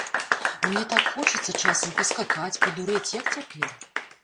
Мне так хочацца часам паскакаць, падурэць, як цяпер!